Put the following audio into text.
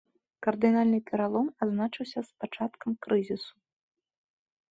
Кардынальны пералом азначыўся з пачаткам крызісу.